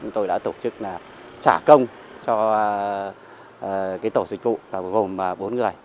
tôi đã tổ chức là trả công cho cái tổ dịch vụ gồm bốn người